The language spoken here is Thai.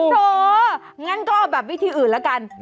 โถงั้นก็เอาแบบวิธีอื่นแล้วกัน